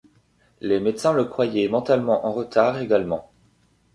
Les médecins le croyaient mentalement en retard également.